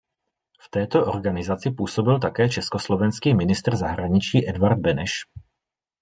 V této organizaci působil také československý ministr zahraničí Edvard Beneš.